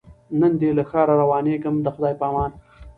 نن دي له ښاره روانېږمه د خدای په امان